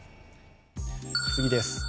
次です。